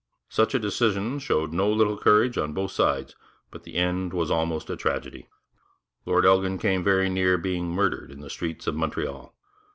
Such a decision showed no little courage on both sides, but the end was almost a tragedy. Lord Elgin came very near being murdered in the streets of Montreal.